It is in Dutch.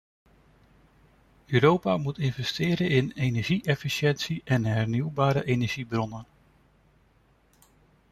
Europa moet investeren in energie-efficiëntie en hernieuwbare energiebronnen.